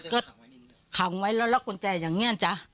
ก็ขังไว้แล้วล็อกกุญแจอย่างนี้จ๊ะ